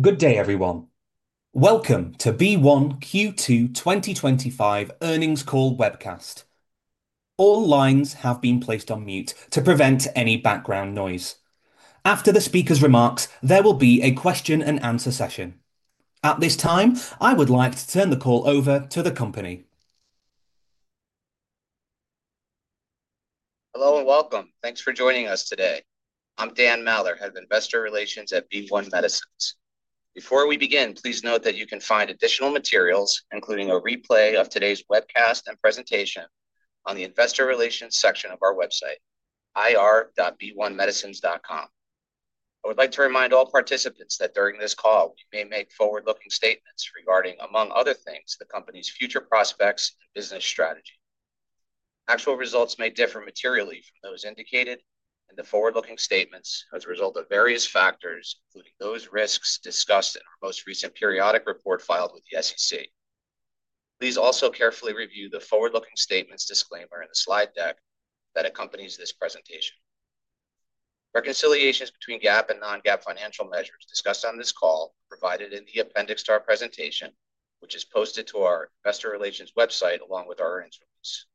Good day, everyone. Welcome to BeOne Q2 2025 earnings call webcast. All lines have been placed on mute to prevent any background noise. After the speaker's remarks, there will be a question-and-answer session. At this time, I would like to turn the call over to the company. Hello and welcome. Thanks for joining us today. I'm Dan Maller, Head of Investor Relations at BeOne Medicines. Before we begin, please note that you can find additional materials including a replay of today's webcast and presentation on the Investor Relations section of our website ir.beonemedicines.com. I would like to remind all participants during this call may make forward-looking statements regarding, among other things, the company's future prospects and business strategy. Actual results may differ materially from those indicated in the forward-looking statements as a result of various factors, including those risks discussed in the most recent periodic report filed with the SEC. Please also carefully review the forward-looking statements disclaimer in the slide deck that accompanies this presentation. Reconciliations between GAAP and non-GAAP financial measures discussed on this call are provided in the appendix to our presentation, which is posted to our investor relations website along with our instruments.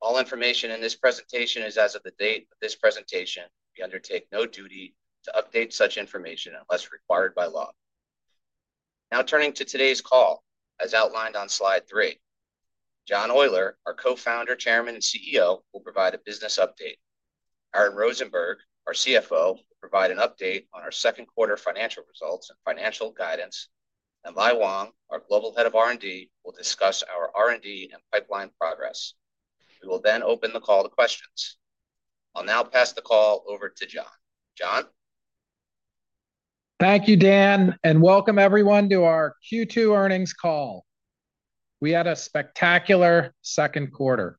All information in this presentation is as of the date of this presentation. We undertake no duty to update such information unless required by law. Now turning to today's call, as outlined on Slide three, our Co-Founder, Chairman, and CEO will provide a business update. Our CFO will provide an update on our second quarter financial results and financial guidance, and our Global Head of R&D will discuss our R&D and pipeline progress. We will then open the call to questions. I'll now pass the call over to John John. Thank you, Dan, and welcome everyone to our Q2 earnings call. We had a spectacular second quarter.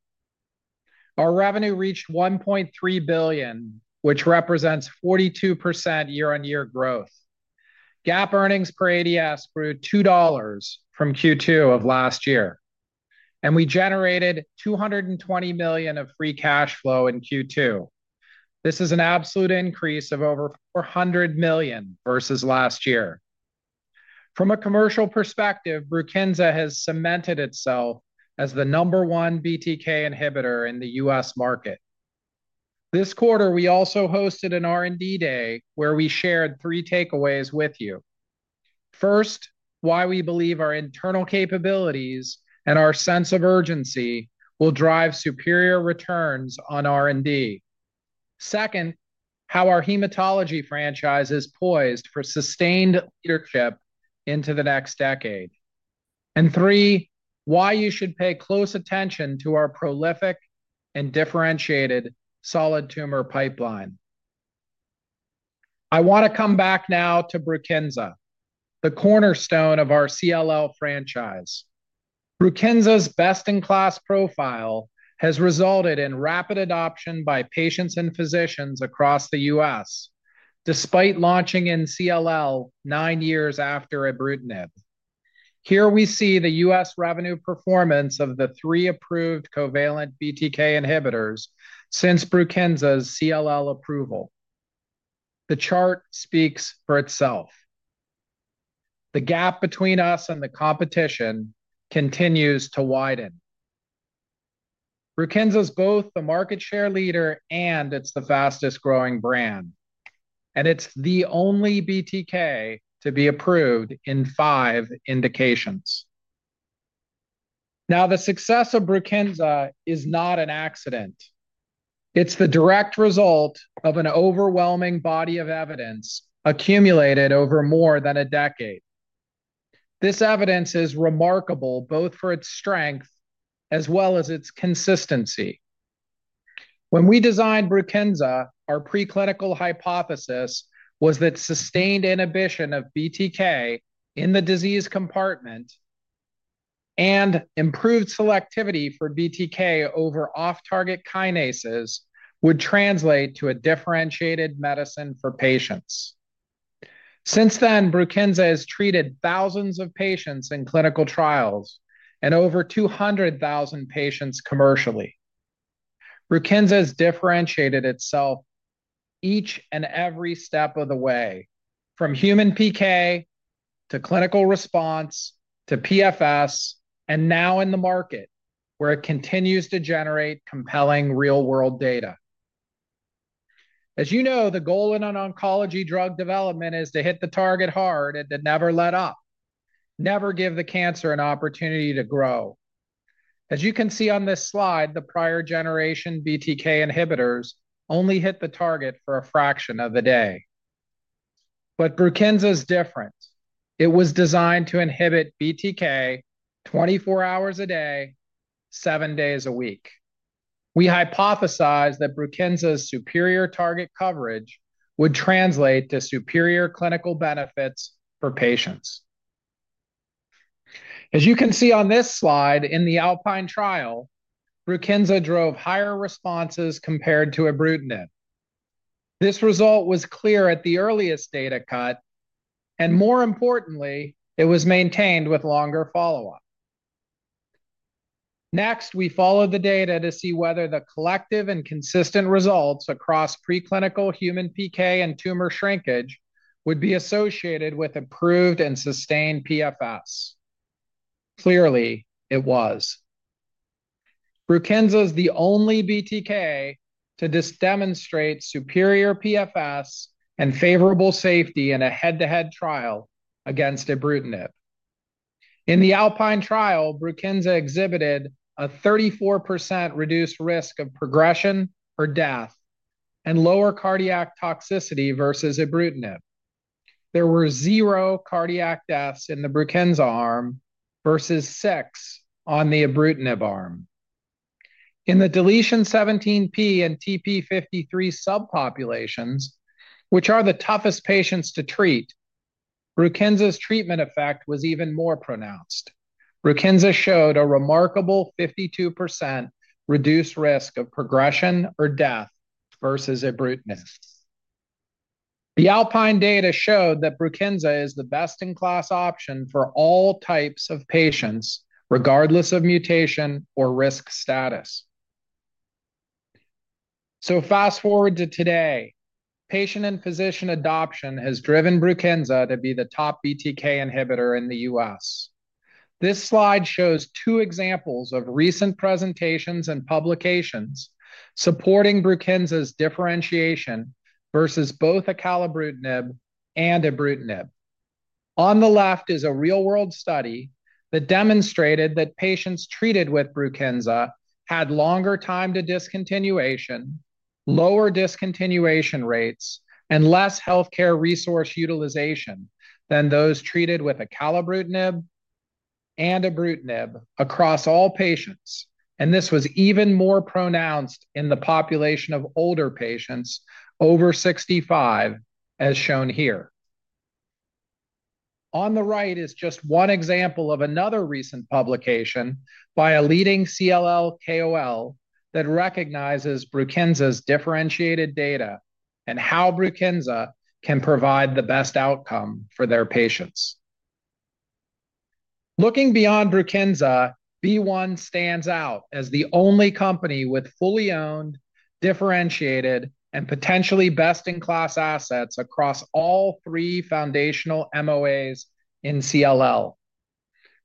Our revenue reached $1.3 billion, which represents 42% year-over-year growth. GAAP earnings per ADS grew $2 from Q2 of last year, and we generated $220 million of free cash flow in Q2. This is an absolute increase of over $400 million versus last year. From a commercial perspective, BRUKINSA has cemented itself as the number one BTK inhibitor in the U.S. market this quarter. We also hosted an R&D day where we shared three takeaways with you. First, why we believe our internal capabilities and our sense of urgency will drive superior returns on R&D. Second, how our hematology franchise is poised for sustained leadership into the next decade, and three, why you should pay close attention to our prolific and differentiated solid tumor pipeline. I want to come back now to BRUKINSA, the cornerstone of our CLL franchise. BRUKINSA's best-in-class profile has resulted in rapid adoption by patients and physicians across the U.S. despite launching in CLL nine years after ibrutinib. Here we see the U.S. revenue performance of the three approved covalent BTK inhibitors since BRUKINSA's CLL approval. The chart speaks for itself. The gap between us and the competition continues to widen. BRUKINSA is both the market share leader and it's the fastest growing brand, and it's the only BTK to be approved in five indications. Now, the success of BRUKINSA is not an accident. It's the direct result of an overwhelming body of evidence accumulated over more than a decade. This evidence is remarkable both for its strength as well as its consistency. When we designed BRUKINSA, our preclinical hypothesis was that sustained inhibition of BTK in the disease compartment and improved selectivity for BTK over off-target kinases would translate to a differentiated medicine for patients. Since then, BRUKINSA has treated thousands of patients in clinical trials and over 200,000 patients commercially. BRUKINSA has differentiated itself each and every step of the way, from human PK to clinical response to PFS, and now in the market where it continues to generate compelling real-world data. As you know, the goal in oncology drug development is to hit the target hard and to never let up, never give the cancer an opportunity to grow. As you can see on this slide, the prior generation BTK inhibitors only hit the target for a fraction of the day. BRUKINSA is different. It was designed to inhibit BTK 24 hours a day, seven days a week. We hypothesized that BRUKINSA's superior target coverage would translate to superior clinical benefits for patients. As you can see on this slide, in the ALPINE trial BRUKINSA drove higher responses compared to ibrutinib. This result was clear at the earliest data cut, and more importantly, it was maintained with longer follow-up. Next, we followed the data to see whether the collective and consistent results across preclinical human PK and tumor shrinkage would be associated with improved and sustained PFS. Clearly, it was. BRUKINSA is the only BTK inhibitor to demonstrate superior PFS and favorable safety in a head-to-head trial against ibrutinib. In the ALPINE trial, BRUKINSA exhibited a 34% reduced risk of progression or death and lower cardiac toxicity versus ibrutinib. There were zero cardiac deaths in the BRUKINSA arm versus six on the ibrutinib arm in the deletion 17p and TP53 subpopulations, which are the toughest patients to treat. BRUKINSA's treatment effect was even more pronounced. BRUKINSA showed a remarkable 52% reduced risk of progression or death versus ibrutinib. The ALPINE data showed that BRUKINSA is the best-in-class option for all types of patients regardless of mutation or risk status. Fast forward to today, patient and physician adoption has driven BRUKINSA to be the top BTK inhibitor in the U.S. This slide shows two examples of recent presentations and publications supporting BRUKINSA's differentiation versus both acalabrutinib and ibrutinib. On the left is a real-world study that demonstrated that patients treated with BRUKINSA had longer time to discontinuation, lower discontinuation rates, and less healthcare resource utilization than those treated with acalabrutinib and ibrutinib across all patients, and this was even more pronounced in the population of older patients over 65, as shown here. On the right is just one example of another recent publication by a leading CLL KOL that recognizes BRUKINSA's differentiated data and how BRUKINSA can provide the best outcome for their patients. Looking beyond, BeOne Medicines stands out as the only company with fully owned, differentiated, and potentially best-in-class assets across all three foundational MOAs in CLL.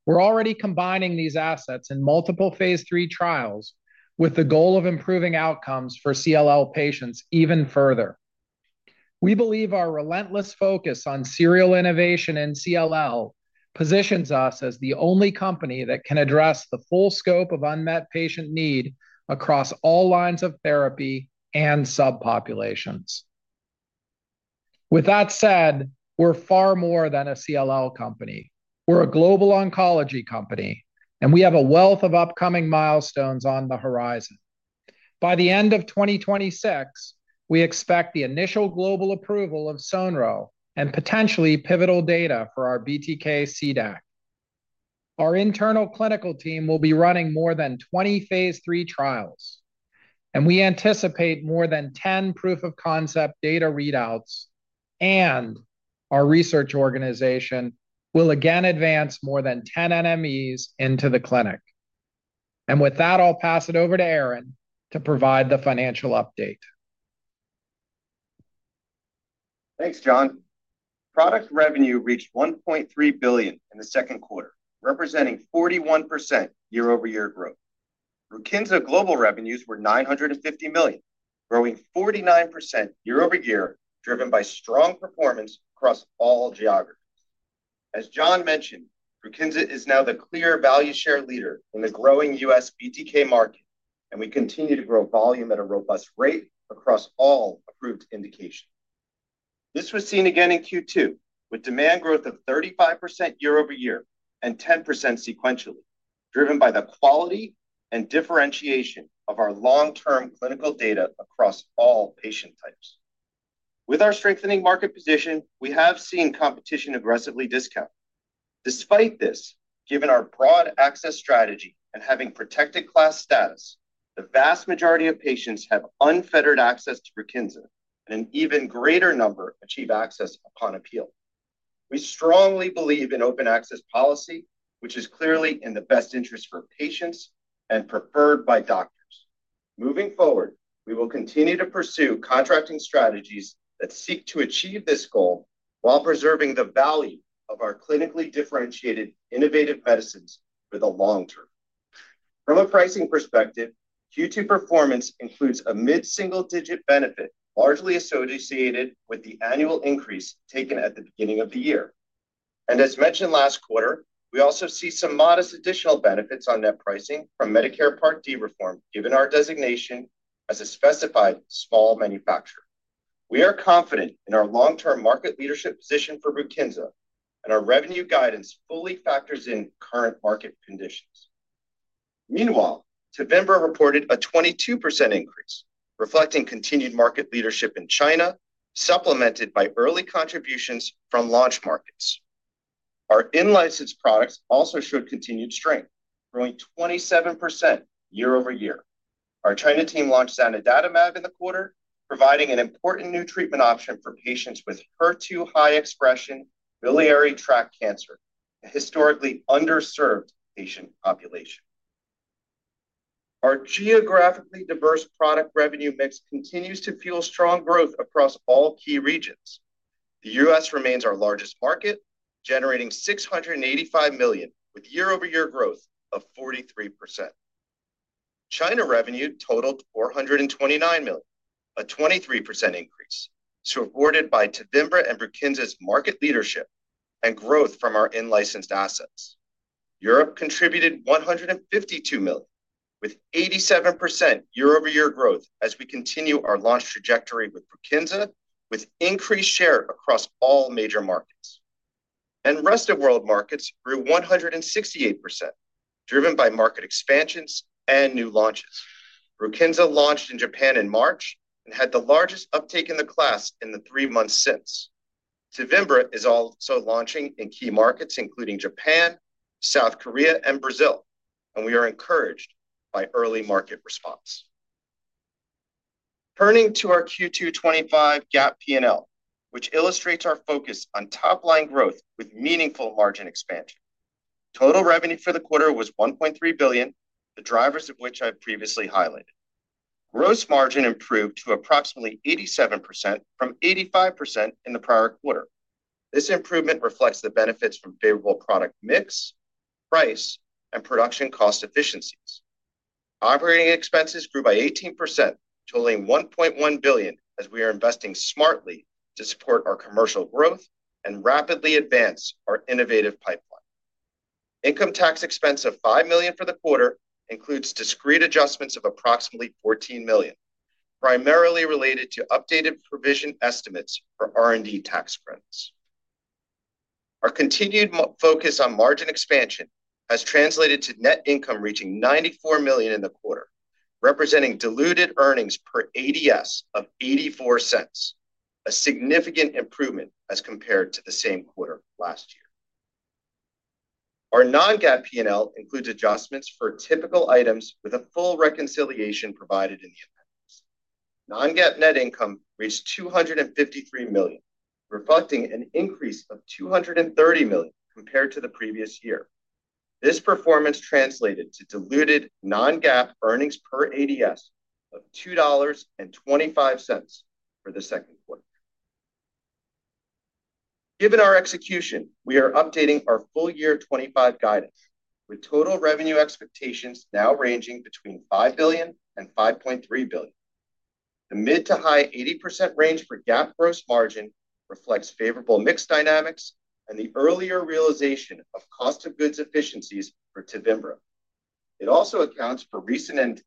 We're already combining these assets in multiple phase III trials with the goal of improving outcomes for CLL patients. Even further, we believe our relentless focus on serial innovation in CLL positions us as the only company that can address the full scope of unmet patient need across all lines of therapy and subpopulations. With that said, we're far more than a CLL company, we're a global oncology company and we have a wealth of upcoming milestones on the horizon. By the end of 2026, we expect the initial global approval of sonrotoclax and potentially pivotal data for our BTK CDAC. Our internal clinical team will be running more than 20 phase III trials, and we anticipate more than 10 proof of concept data readouts, and our research organization will again advance more than 10 NMEs into the clinic. With that, I'll pass it over to Aaron to provide the financial update. Thanks John. Product revenue reached $1.3 billion in the second quarter, representing 41% year-over-year growth. BRUKINSA global revenues were $950 million, growing 49% year-over-year, driven by strong performance across all geographies. As John mentioned, BRUKINSA is now the clear value share leader in the growing U.S. BTK market and we continue to grow volume at a robust rate across all approved indications. This was seen again in Q2 with demand growth of 35% year-over-year and 10% sequentially, driven by the quality and differentiation of our long-term clinical data across all patient types. With our strengthening market position, we have seen competition aggressively discount. Despite this, given our broad access strategy and having protected class status, the vast majority of patients have unfettered access to BRUKINSA and an even greater number achieve access upon appeal. We strongly believe in open access policy, which is clearly in the best interest for patients and preferred by doctors. Moving forward, we will continue to pursue contracting strategies that seek to achieve this goal while preserving the value of our clinically differentiated innovative medicines for the long term. From a pricing perspective, Q2 performance includes a mid-single-digit benefit largely associated with the annual increase taken at the beginning of the year, and as mentioned last quarter, we also see some modest additional benefits on net pricing from Medicare Part D reform. Given our designation as a specified small manufacturer, we are confident in our long-term market leadership position for BRUKINSA and our revenue guidance fully factors in current market conditions. Meanwhile, TEVIMBRA reported a 22% increase, reflecting continued market leadership in China supplemented by early contributions from launch markets. Our in-licensed products also showed continued strength, growing 27% year-over-year. Our China team launched danyelza datamab in the quarter, providing an important new treatment option for patients with HER2 high expression biliary tract cancer, a historically underserved patient population. Our geographically diverse product revenue mix continues to fuel strong growth across all key regions. The U.S. remains our largest market, generating $685 million with year-over-year growth of 43%. China revenue totaled $429 million, a 23% increase supported by TEVIMBRA and BRUKINSA's market leadership and growth from our in-licensed assets. Europe contributed $152 million with 87% year-over-year growth as we continue our launch trajectory with increased share across all major markets, and rest of world markets grew 168% driven by market expansions and new launches. BRUKINSA launched in Japan in March and had the largest uptake in the class in the three months since. TEVIMBRA is also launching in key markets including Japan, South Korea, and Brazil, and we are encouraged by early market response. Turning to our Q2 2025 GAAP P&L, which illustrates our focus on top line growth with meaningful margin expansion, total revenue for the quarter was $1.3 billion, the drivers of which I previously highlighted. Gross margin improved to approximately 87% from 85% in the prior quarter. This improvement reflects the benefits from favorable product mix, price, and production cost efficiencies. Operating expenses grew by 18%, totaling $1.1 billion as we are investing smartly to support our commercial growth and rapidly advance our innovative pipeline. Income tax expense of $5 million for the quarter includes discrete adjustments of approximately $14 million, primarily related to updated provision estimates for R&D tax spreads. Our continued focus on margin expansion has translated to net income reaching $94 million in the quarter, representing diluted earnings per ADS of $0.84, a significant improvement as compared to the same quarter last year. Our non-GAAP P&L includes adjustments for typical items with a full reconciliation provided in the Appendix. Non-GAAP net income reached $253 million, reflecting an increase of $230 million compared to the previous year. This performance translated to diluted non-GAAP earnings per ADS of $2.25 for the second quarter. Given our execution, we are updating our full year 2025 guidance with total revenue expectations now ranging between $5 billion and $5.3 billion. The mid to high 80% range for GAAP gross margin reflects favorable mix dynamics and the earlier realization of cost of goods efficiencies for TEVIMBRA. It also accounts for recent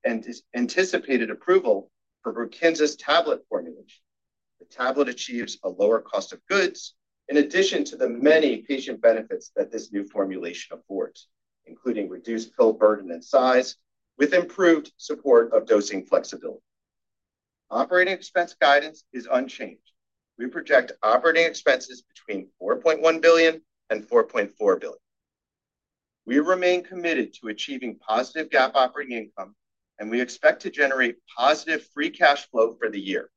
anticipated approval for BRUKINSA's tablet formulation. The tablet achieves a lower cost of goods in addition to the many patient benefits that this new formulation affords, including reduced pill burden and size with improved support of dosing flexibility. Operating expense guidance is unchanged. We project operating expenses between $4.1 billion and $4.4 billion. We remain committed to achieving positive GAAP operating income, and we expect to generate positive free cash flow for the year.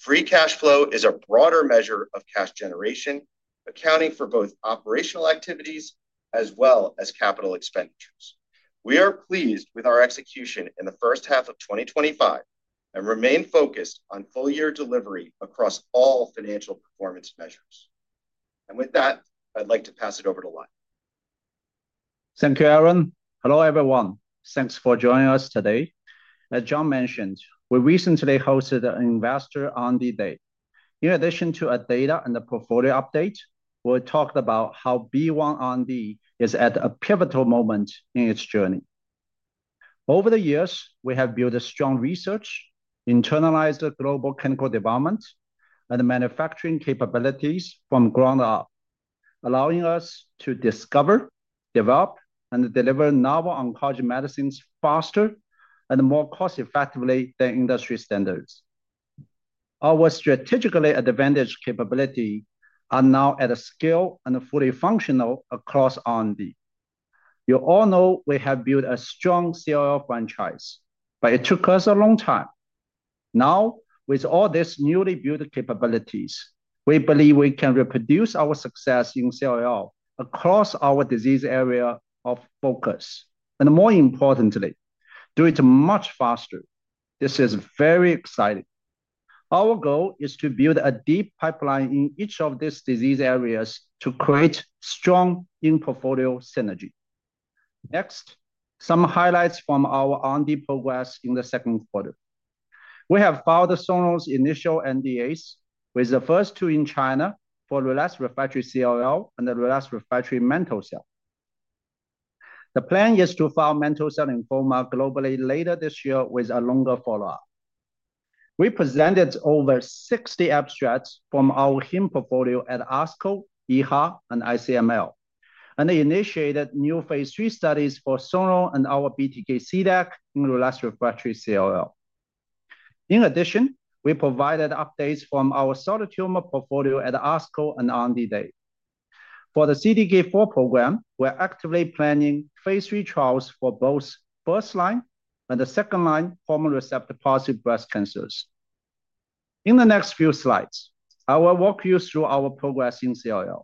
Free cash flow is a broader measure of cash generation, accounting for both operational activities as well as capital expenditures. We are pleased with our execution in the first half of 2025 and remain focused on full year delivery across all financial performance measures. With that, I'd like to pass it over to Lai Wang. Thank you, Aaron. Hello everyone. Thanks for joining us today. As John mentioned, we recently hosted an investor day. In addition to a data and a portfolio update, we talked about how BeOne Medicines is at a pivotal moment in its journey. Over the years, we have built a strong research, internalized global clinical development, and manufacturing capabilities from the ground up, allowing us to discover, develop, and deliver novel oncology medicines faster and more cost effectively than industry standards. Our strategically advantaged capabilities are now at a scale and fully functional across R&D. You all know we have built a strong CLL franchise, but it took us a long time. Now, with all these newly built capabilities, we believe we can reproduce our success in CLL across our disease areas of focus and, more importantly, do it much faster. This is very exciting. Our goal is to build a deep pipeline in each of these disease areas to create strong in-portfolio synergy. Next, some highlights from our R&D progress. In the second quarter, we have filed sonrotoclax initial NDAs with the first two in China for relapsed/refractory CLL and the relapsed/refractory mantle cell. The plan is to file mantle cell lymphoma globally later this year with a longer follow-up. We presented over 60 abstracts from our hematology portfolio at ASCO, EHA, and ICML and initiated new phase III studies for sonrotoclax and our BTK CDAC in relapsed/refractory CLL. In addition, we provided updates from our solid tumor portfolio at ASCO and an R&D day for the CDK4 program. We're actively planning phase III trials for both first-line and second-line hormone receptor positive breast cancers. In the next few slides, I will walk you through our progress in CLL.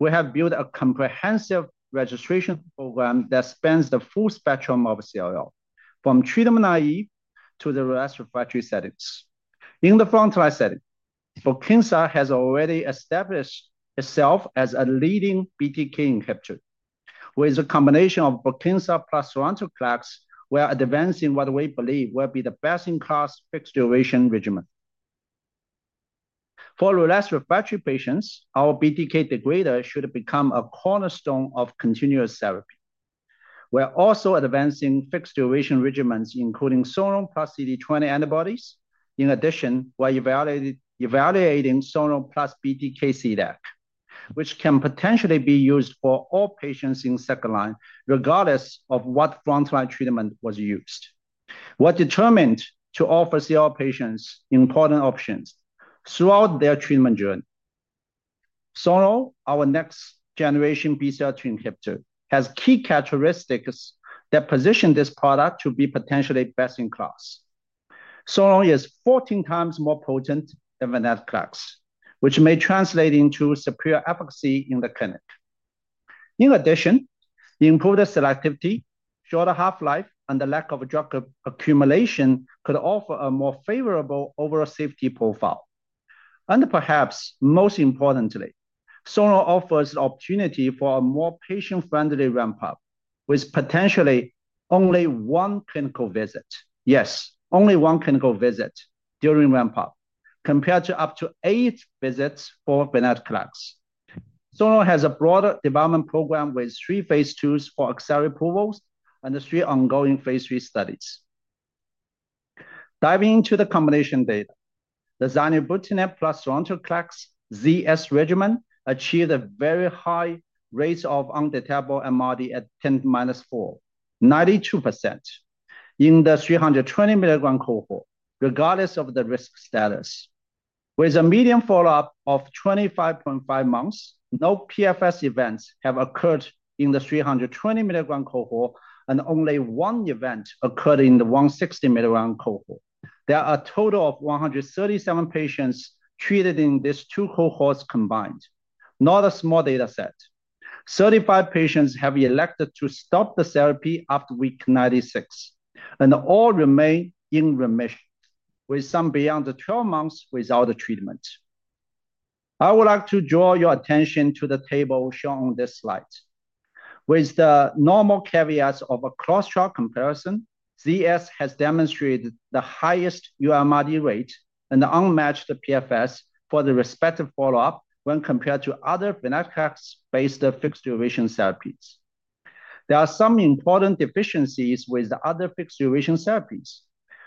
We have built a comprehensive registration program that spans the full spectrum of CLL from treatment-naive to the relapsed/refractory settings. In the frontline setting, BRUKINSA has already established itself as a leading BTK inhibitor. With a combinationIIIof BRUKINSA plus sonrotoclax, we are advancing what we believe will be the best-in-class fixed-duration regimen for relapsed/refractory patients. Our BTK degrader should become a cornerstone of continuous therapy. We're also advancing fixed-duration regimens including sonrotoclax and CD20 antibodies. In addition, while evaluating sonrotoclax plus BTK CDAC which can potentially be used for all patients in second line regardless of what frontline treatment was used, we're determined to offer CLL patients important options throughout their treatment journey. Sonrotoclax, our next generation BCL2 inhibitor, has key characteristics that position this product to be potentially best in class. Sonrotoclax is 14x more potent than venetoclax, which may translate into superior efficacy in the clinic. In addition, improved selectivity, shorter half-life, and the lack of drug accumulation could offer a more favorable overall safety profile. Perhaps most importantly, sonrotoclax offers the opportunity for a more patient-friendly ramp up with potentially only one clinical visit. Yes, only one clinical visit during ramp up compared to up to eight visits for venetoclax. Sonrotoclax has a broader development program with three phase IIs for accelerated approvals and three ongoing phase III studies. Diving into the combination data, the zanubrutinib plus sonrotoclax ZS regimen achieved a very high rate of undetectable MRD at 10^-4, 92% in the 320 mm cohort regardless of the risk status with a median follow up of 25.5 months. No PFS events have occurred in the 320 mm cohort and only one event occurred in the 160 mm cohort. There are a total of 137 patients treated in these two cohorts combined, not a small data set. 35 patients have elected to stop the therapy after week 96 and all remain in remission with some beyond 12 months without treatment. I would like to draw your attention to the table shown on this slide. With the normal caveats of a cross-trial comparison, ZS has demonstrated the highest UMRD rate and unmatched PFS for the respective follow up when compared to other venetoclax-based fixed-duration therapies. There are some important deficiencies with other fixed-duration therapies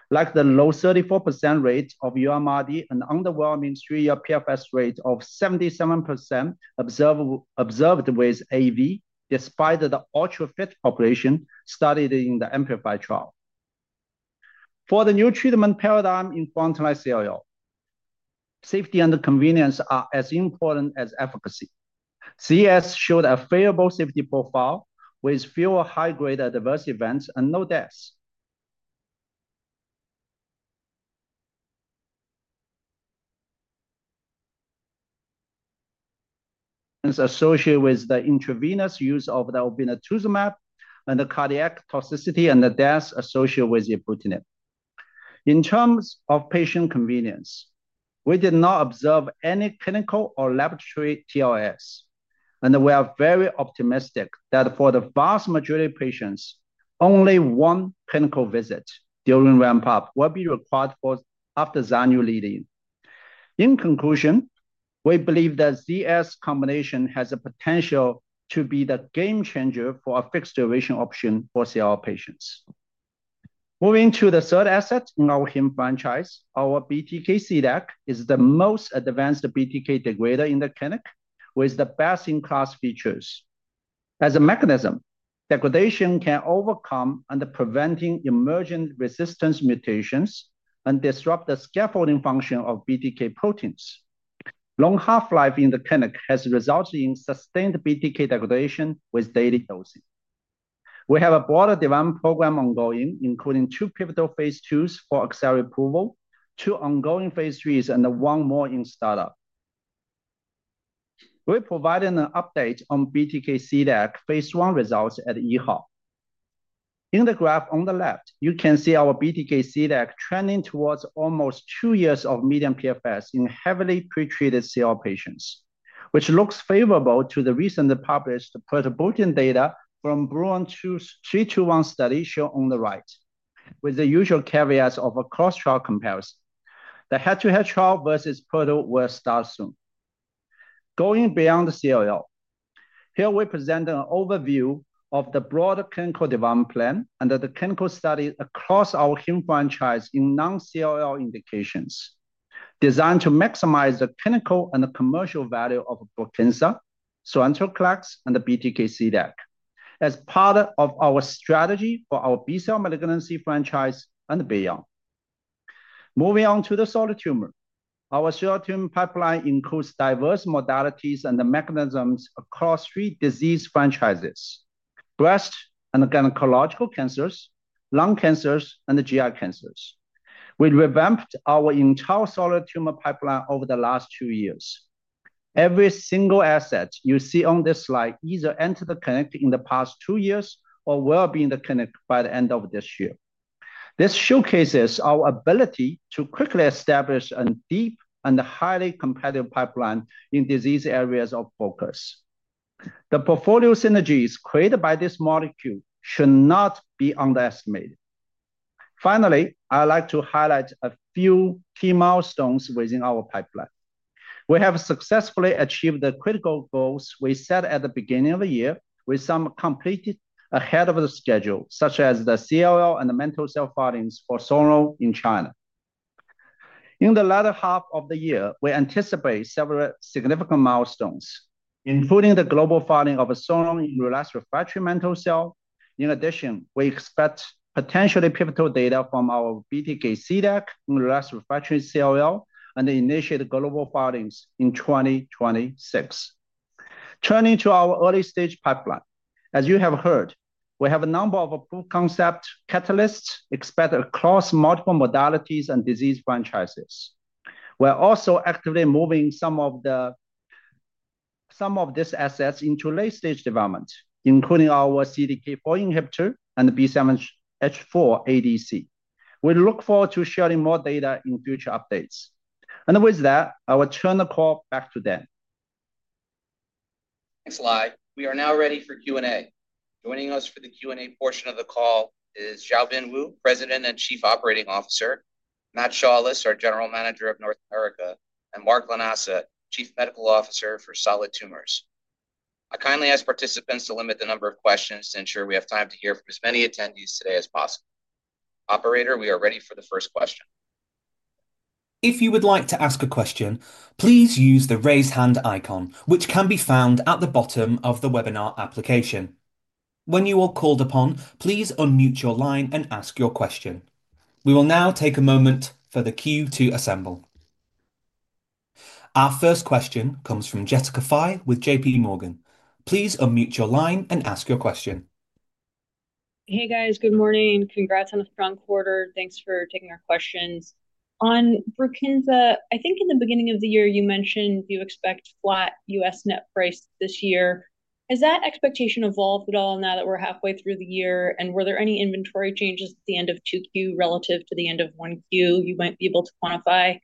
like the low 34% rate of UMRD and underwhelming 3-year PFS rate of 77% observed with AV despite the ultra-fit population studied in the Amplified trial. For the new treatment paradigm in frontline CLL, safety and convenience are as important as efficacy. ZS showed a favorable safety profile with fewer high-grade adverse events and no deaths associated with the intravenous use of obinutuzumab and the cardiac toxicity and the death associated with ibrutinib. In terms of patient convenience, we did not observe any clinical or laboratory TLS and we are very optimistic that for the vast majority of patients only one clinical visit during ramp up will be required for after xanulating. In conclusion, we believe that ZS combination has the potential to be the game changer for a fixed duration option for CR patients. Moving to the third asset in our HEME franchise, our BTK CDAC is the most advanced BTK degrader in the clinic with the best in class features. As a mechanism, degradation can overcome and prevent emergent resistance mutations and disrupt the scaffolding function of BTK proteins. Long half life in the clinic has resulted in sustained BTK degradation with daily dosing. We have a broader development program ongoing including two pivotal phase IIs for accelerated approval, two ongoing phase IIIs and one more in startup. We provide an update on BTK CDAC phase I results. In the graph on the left you can see our BTK CDAC trending towards almost two years of median PFS in heavily pretreated CLL patients, which looks favorable to the recently published pirtobrutinib data from BRUIN2's 321 study shown on the right. With the usual caveats of a cross trial comparison, the head to head trial versus PRTO will start soon. Going beyond CLL, here we present an overview of the broader clinical development plan and the clinical studies across our HEME franchise in non-CLL indications designed to maximize the clinical and commercial value of Potensa, Cyrentriclex and BTK CDAC as part of our strategy for our B cell malignancy franchise and beyond. Moving on to the Solid Tumor, our serotonin pipeline includes diverse modalities and mechanisms across three disease areas: breast and gynecological cancers, lung cancers and GI cancers. We revamped our entire solid tumor pipeline over the last two years. Every single asset you see on this slide either entered the clinic in the past two years or will be in the clinic by the end of this year. This showcases our ability to quickly establish a deep and highly competitive pipeline in disease areas of focus. The portfolio synergies created by this molecule should not be underestimated. Finally, I'd like to highlight a few key milestones within our pipeline. We have successfully achieved the critical goals we set at the beginning of the year, with some completed ahead of schedule, such as the CLL and mantle cell filings for SOL in China in the latter half of the year. We anticipate several significant milestones, including the global funding of sonrotoclax in relapsed/refractory mantle cell lymphoma. In addition, we expect potentially pivotal data from our BTK CDAC in unrelapsed/refractory CLL and the initiation of global findings in 2026. Turning to our early stage pipeline, as you have heard, we have a number of proof of concept catalysts expanded across multiple modalities and disease franchises. We're also actively moving some of these assets into late stage development, including our CDK4 inhibitor and the B7-H4 ADC. We look forward to sharing more data in future updates, and with that I will turn the call back to Dan. Thanks, Lai. We are now ready for Q&A. Joining us for the Q&A portion of the call is Xiaobin Wu, President and Chief Operating Officer, Matt Shaulis, our General Manager of North America, and Mark Lanasa, Chief Medical Officer for Solid Tumors. I kindly ask participants to limit the number of questions to ensure we have time to hear from as many attendees today as possible. Operator, we are ready for the first question. If you would like to ask a question, please use the raise hand icon, which can be found at the bottom of the webinar application. When you are called upon, please unmute your line and ask your question. We will now take a moment for the queue to assemble. Our first question comes from Jessica Fye with JPMorgan. Please unmute your line and ask your question. Hey guys, good morning. Congrats on a strong quarter. Thanks for taking our questions on BRUKINSA, I think in the beginning of the year you mentioned you expect flat U.S. net price this year. Has that expectation evolved at all now that we're halfway through the year. Were there any inventory changes at the end of 2Q relative to the end of point Q you might be able to quantify.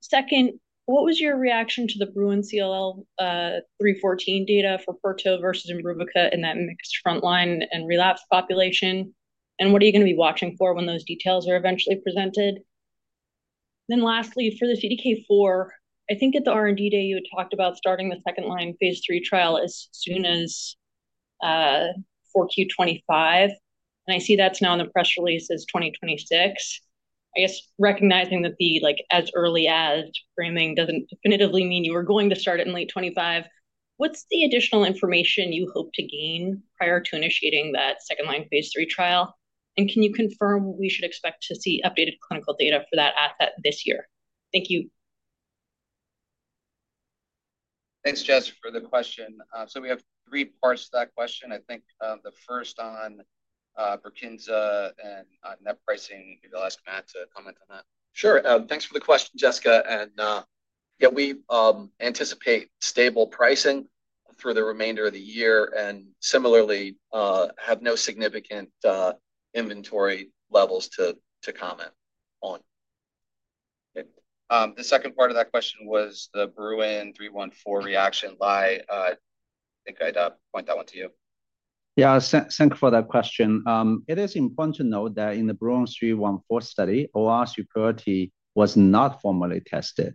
Second, what was your reaction to the BRUIN CLL-314 data for pirtobrutinib versus Imbruvica in that mixed frontline and relapsed population, what are you going to be watching for when those details are eventually presented? Lastly, for the CDK4, I think at the R&D day you talked about starting the second-line phase III trial as soon as 4Q 2025, and I see that's now in the press release as 2026. Are going to start it in late 2025. What's the additional information you hope to gain prior to initiating that second line phase III trial? Can you confirm we should expect to see updated clinical data for that asset this year? Thank you. Thanks, Jessica, for the question. We have three parts to that question.I think the first on BRUKINSA and net pricing. Maybe I'll ask Matt to comment on that. Sure. Thanks for the question, Jessica. We anticipate stable pricing through the remainder of the year and similarly have no significant inventory levels to comment on. The second part of that question was the BRUKINSA reaction line, if I point that one to you? Yeah, thank you for that question. It is important to note that in the BRUIN 314 study, OR 330 was not formally tested,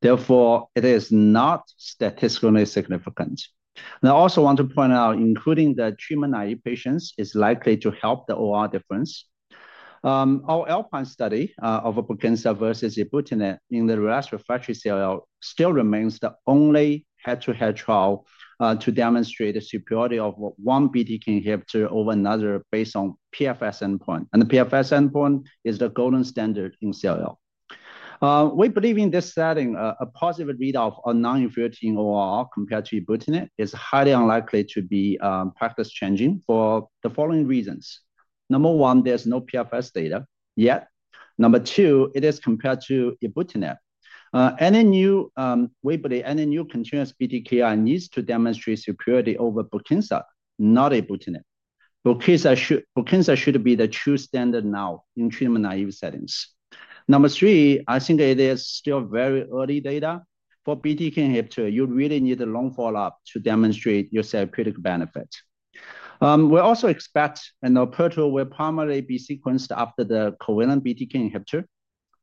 therefore it is not statistically significant. I also want to point out including the treatment-naive patients is likely to help the OR difference. Our ALPINE study of BRUKINSA versus ibrutinib in the relapsed/refractory CLL still remains the only head-to-head trial to demonstrate the superiority of one BTK inhibitor over another based on the PFS endpoint, and the PFS endpoint is the gold standard in CLL. We believe in this setting a positive readout on non-inferiority compared to ibrutinib is highly unlikely to be practice changing for the following reasons. Number one, there's no PFS data yet. Number two, it is compared to ibrutinib. We believe any new continuous BTK inhibitor needs to demonstrate superiority over BRUKINSA, not ibrutinib. BRUKINSA should be the true standard now in treatment-naive settings. Number three, I think it is still very early data for BTK inhibitor. You really need a long follow-up to demonstrate your therapeutic benefit. We also expect pirtobrutinib will primarily be sequenced after the covalent BTK inhibitor,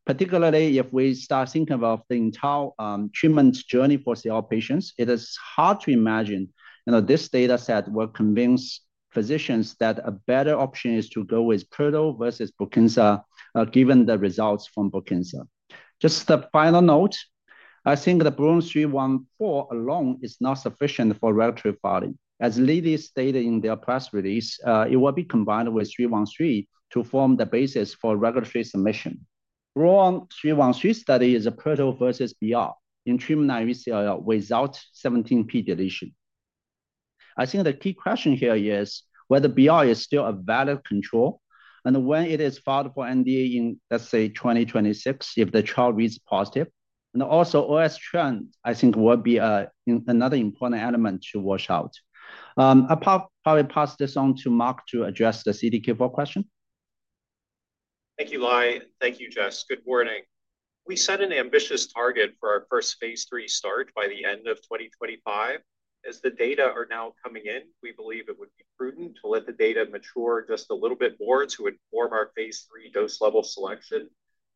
particularly if we start thinking about the entire treatment journey for CLL patients. It is hard to imagine this data set will convince physicians that a better option is to go with pirtobrutinib versus BRUKINSA given the results from BRUKINSA. Just a final note, I think the BRUIN 314 alone is not sufficient for regulatory filing. As Lilly stated in their press release, it will be combined with 313 to form the basis for regulatory submission. BRUIN 313 study is pirtobrutinib versus doctor in treatment-naive CLL without 17p deletion. I think the key question here is whether BR is still a valid control and when it is filed for NDA in, let's say, 2026 if the trial reads positive. Also, OS, I think, will be another important element to watch out. I'll probably pass this on to Mark to address the CDK4 question. Thank you, Lai. Thank you, Jess. Good morning. We set an ambitious target for our first phase III start by the end of 2025. As the data are now coming in we believe it would be prudent to let the data mature just a little bit more to inform our Phase III dose level selection.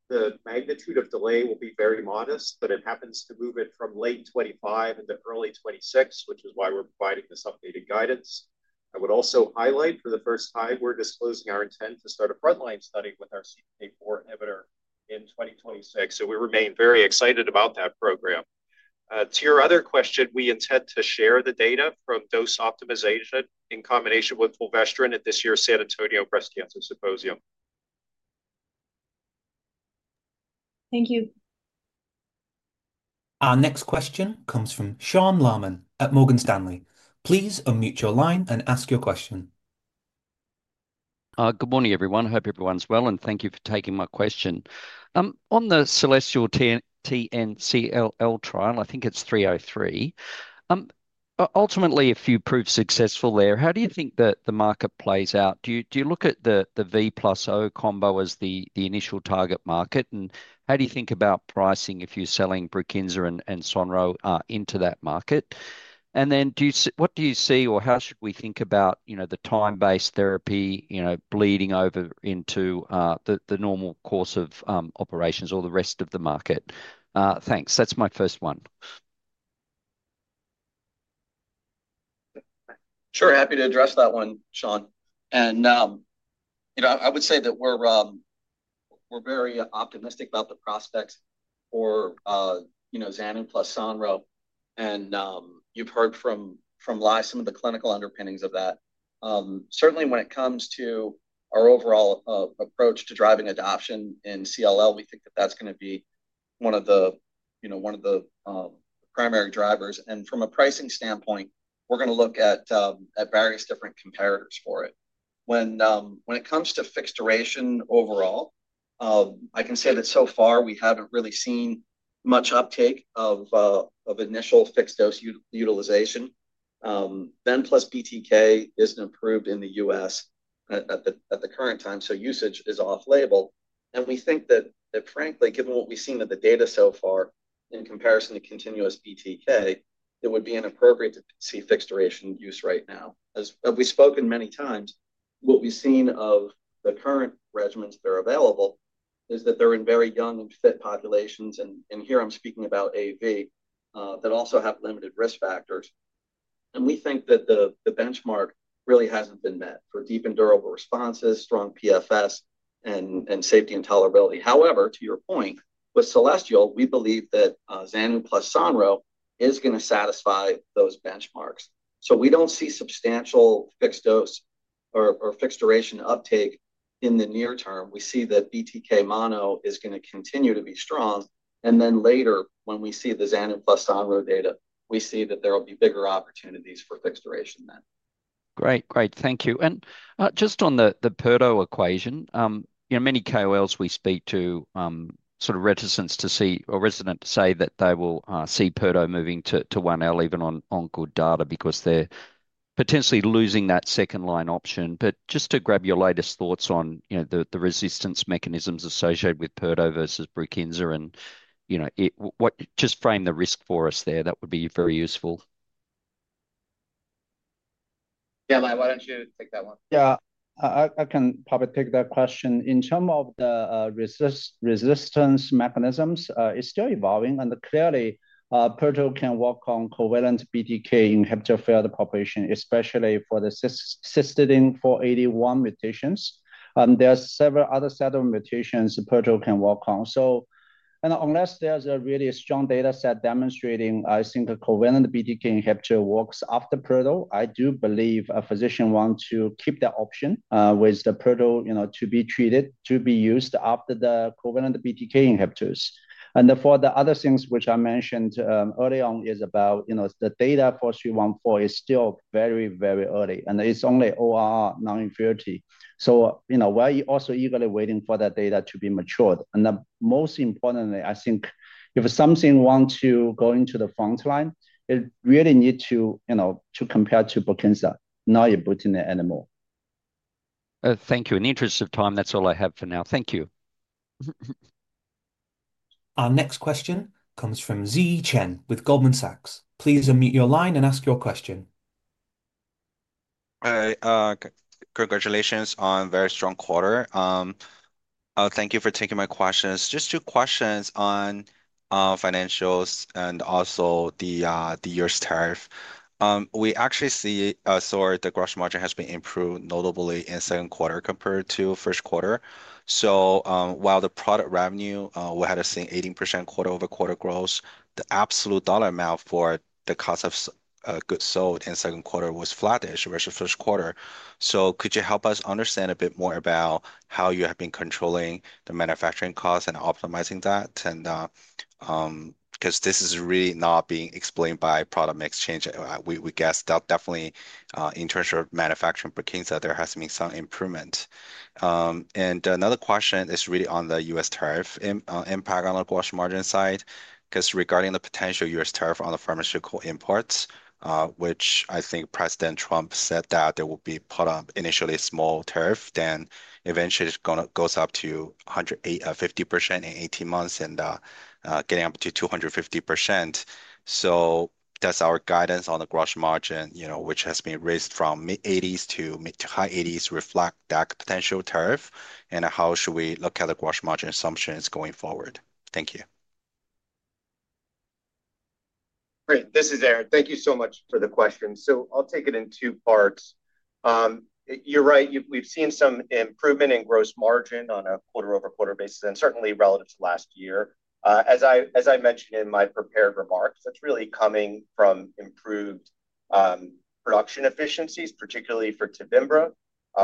The magnitude of delay will be very modest, but it happens to move it from late 2025 into early 2026, which is why we're providing this updated guidance. I would also highlight for the first time we're disclosing our intent to start a frontline study with our CDK4 inhibitor in 2026. We remain very excited about that program. To your other question, we intend to share the data from dose optimization in combination with fulvestrant at this year's San Antonio Breast Cancer Symposium. Thank you. Our next question comes from Sean Laaman at Morgan Stanley. Please unmute your line and ask your question. Good morning everyone. Hope everyone's well and thank you for taking my question on the celestial TNCL trial, I think it's 303. Ultimately, if you prove successful there, how do you think that the market plays out? Do you look at the VO combo as the initial target market and how do you think about pricing if you're selling BRUKINSA and sonrotoclax into that market? What do you see or how should we think about, you know, the time based therapy, you know, bleeding over into the normal course of operations or the rest of the market? Thanks, that's my first one. Sure, happy to address that one Sean. I would say that we're very optimistic about the prospects or, you know, zanubrutinib plus sonrotoclax and you've heard from Lai some of the clinical underpinnings of that. Certainly when it comes to our overall approach to driving adoption in CLL, we think that that's going to be one of the primary drivers. From a pricing standpoint, we're going to look at various different comparators for it. When it comes to fixed-duration overall, I can say that so far we haven't really seen much uptake of initial fixed-dose utilization. VEN plus BTK isn't approved in the U.S. at the current time, so usage is off label. We think that frankly, given what.e've seen that the data so far. In comparison to continuous BTK, it would be inappropriate to see fixed duration use right now. As we've spoken many times, what we've seen of the current regimens that are available is that they're in very young, fit populations, and here I'm speaking about AV, that also have limited risk factors, and we think that the benchmark really hasn't been met for deep and durable responses, strong PFS, and safety and tolerability. However, to your point with Celestial, we believe that ZANU plus sonrotoclax is going to satisfy those benchmarks. We don't see substantial fixed dose or fixed duration uptake in the near term. We see that BTK mono is going to continue to be strong, and later, when we see the ZANU plus sonrotoclax data, we see that there will be bigger opportunities for fixed duration then. Great, great, thank you. Just on the pirtobrutinib equation, many KOLs we speak to show sort of reticence to say that they will see pirtobrutinib moving to 1L even on good data because they're potentially losing that second line option. Just to grab your latest thoughts on the resistance mechanisms associated with pirtobrutinib versus BRUKINSA and just frame the risk for us there. That would be very useful. Yeah, Lai, why don't you take that one? Yeah, I can probably take that question. In terms of the resistance mechanisms, it's still evolving and clearly pirtobrutinib can work on covalent BTK inhibitor failed population, especially for the cystidine 481 mutations. There are several other sets of mutations pirtobrutinib can work on. Unless there's a really strong data set demonstrating, I think a covalent BTK inhibitor works after pirtobrutinib. I do believe a physician would want to keep that option with the pirtobrutinib to be treated, to be used after the covalent BTK inhibitors. For the other things which I mentioned early on, the data for 314 is still very, very early and it's only or non-inferiority. We are also eagerly waiting for that data to mature. Most importantly, I think if something wants to go into the front line, it really needs to compare to BRUKINSA, not in between it anymore. Thank you. In the interest of time, that's all I have for now. Thank you. Our next question comes from Yixin Zheng with Goldman Sachs. Please unmute your line and ask your question. Congratulations on a very strong quarter. Thank you for taking my questions. Just two questions on financials and also the year's tariff. We actually see sort of the gross margin has been improved notably in second quarter compared to first quarter, while the product revenue will have seen 18% quarter-over-quarter growth, the absolute dollar amount for the cost of goods sold in second quarter was flattish versus first quarter. Could you help us understand a bit more about how you have been controlling the manufacturing costs and optimizing that? This is really not being explained by product mix change. We guess definitely in terms of manufacturing BRUKINSA, there has been some improvement. Another question is really on the U.S. tariff impact on the gross margin side regarding the potential U.S. tariff on the pharmaceutical imports, which I think President Trump said that there will be initially small tariff, then eventually it goes. up to 150% in 18 months and getting up to 250%.Does our guidance on the gross margin, which has been raised from mid-80s to mid to high-80s, reflect that potential tariff and how should we look at the gross margin assumptions going forward? Thank you. Great. This is Aaron, thank you so much for the question. I'll take it in two parts. You're right, we've seen some improvement in gross margin on a quarter-over-quarter basis and certainly relative to last year. As I mentioned in my prepared remarks, that's really coming from improved production efficiencies, particularly for TEVIMBRA.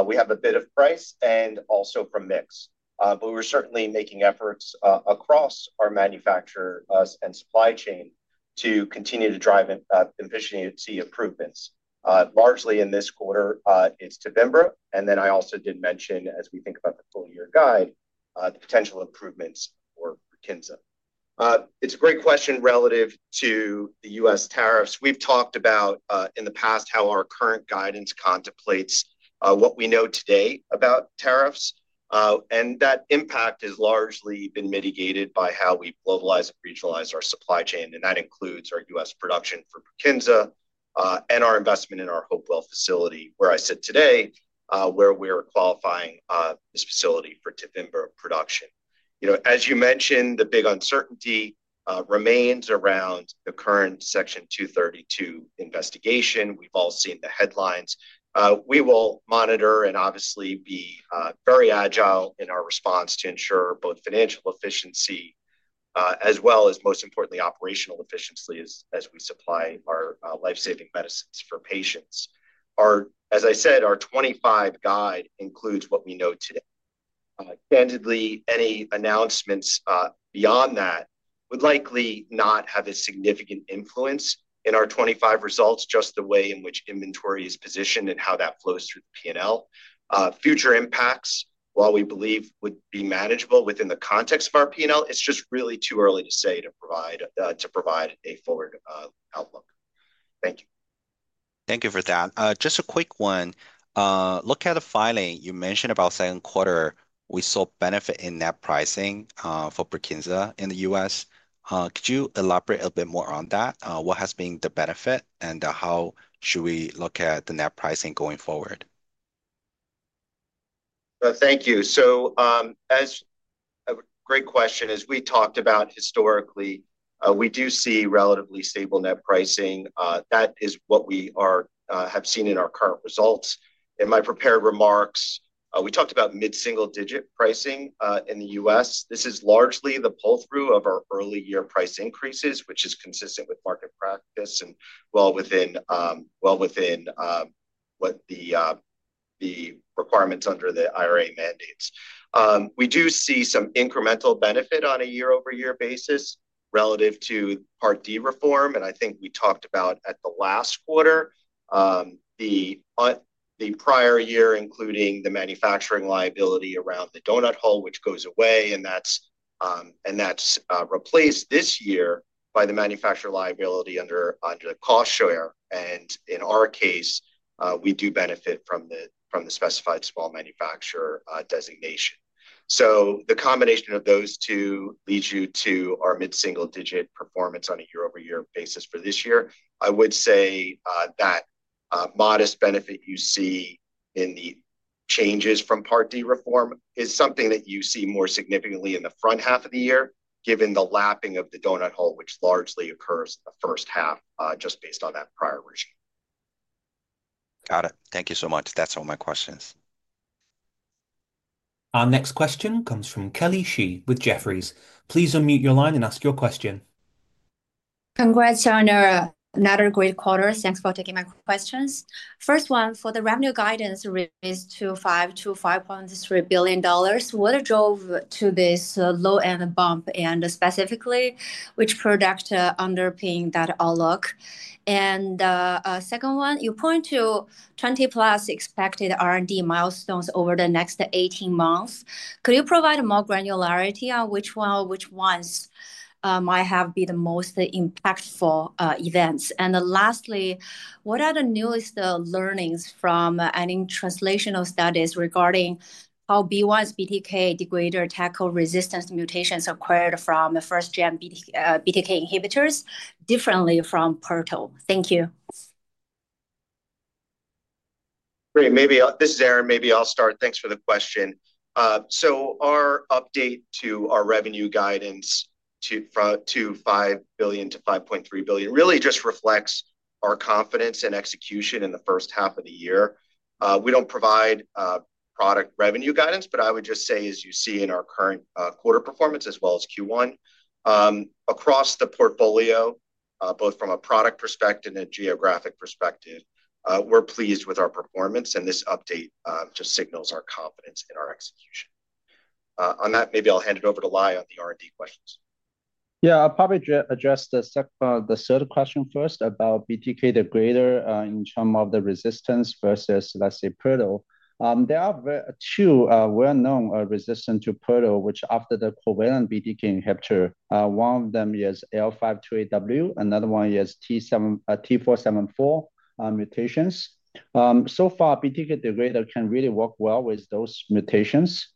We have a bit of price and also from mix, but we're certainly making efforts across our manufacturing and supply chain to continue to drive efficiency improvements. Largely in this quarter, it's TEVIMBRA. I also did mention as we think about the full year guide, the potential improvements for BRUKINSA. It's a great question relative to the U.S. tariffs. We've talked about in the past how our current guidance contemplates what we know today about tariffs, and that impact has largely been mitigated by how we globalize and regionalize our supply chain. That includes our U.S. production for BRUKINSA and our investment in our Hopewell facility, where I sit today, where we are qualifying this facility for TEVIMBRA production. As you mentioned, the big uncertainty remains around the current Section 232 investigation. We've all seen the headlines. We will monitor and obviously be very agile in our response to ensure both financial efficiency as well as, most importantly, operational efficiency as we supply our life-saving medicines for patients. As I said, our 2025 guide includes what we know today. Candidly, any announcements beyond that would likely not have a significant influence on our 2025 results, just the way in which inventory is positioned and how that flows through the P&L. Future impacts, while we believe would be manageable within the context of our P&L, it's just really too early to say to provide a forward outlook. Thank you. Thank you for that. Just a quick one, look at the filing you mentioned about second quarter we saw benefit in net pricing for BRUKINSA in t he U.S., could you elaborate a bit more on that and what has been the benefit and how should we look at the net pricing going forward? Thank you. Great question. As we talked about historically, we do see relatively stable net pricing. That is what we have seen in our current results. In my prepared remarks, we talked about mid single digit pricing in the U.S. This is largely the pull through of our early year price increases, which is consistent with market practice and well within what the requirements under the IRA mandates. We do see some incremental benefit on a year-over-year basis relative to Part D reform. I think we talked about at the last quarter the prior year including the manufacturing liability around the donut hole, which goes away and that's replaced this year by the manufacturer liability under cost share. In our case, we do benefit from the specified small manufacturer designation, so the combination of those two leads you to our mid single digit performance on a year-over-year basis for this year. I would say that modest benefit you see in the changes from Part D reform is something that you see more significantly in the front half of the year, given the lapping of the donut hole, which largely occurs the first half just based on that prior regime. Got it. Thank you so much. That's all my questions. Our next question comes from Kelly Shi with Jefferies. Please unmute your line and ask your question. Congrats on another great quarter. Thanks for taking my questions. First one for the revenue guidance remains to $5 million-$5.3 billion. What drove to this low end bump and specifically, which product is underpinning that outlook? Second, you point to 20+ expected R&D milestones over the next 18 months. Could you provide more granularity on which ones might be the most impactful events? Lastly what are the newest learnings from any translational studies regarding how BeOne's BTK CDAC resistance mutations are acquired from first-generation BTK inhibitors differently from pirtobrutinib? Thank you. Great. Maybe this is Aaron, maybe I'll start. Thanks for the question. Our update to our revenue guidance $2.5 billion-$5.3 billion really just reflects our confidence and execution in the first half of the year. We don't provide product revenue guidance, but I would just say as you see in our current quarter performance as well as Q1 across the portfolio, both from a product perspective and a geographic perspective, we're pleased with our performance and this update just signals our confidence in our execution on that. Maybe I'll hand it over to Lai on the R&D question. Yeah, I'll probably address the third question first about BTK degrader in terms of the resistance versus let's say pirtobrutinib. There are two well known resistance to pirtobrutinib which after the covalent BTK inhibitor, one of them is L528W. Another one is T474 mutations. So far BTK degrader can really work well with those mutations